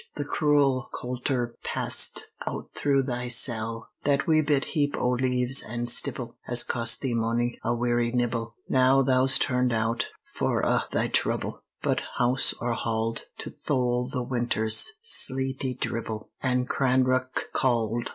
the cruel coulter passed Out through thy cell. That wee bit heap o' leaves an' stibble Has cost thee mony a weary nibble! Now thou's turned out, for a' thy trouble, But house or hald, To thole the winter's sleety dribble, An cranreuch cauld!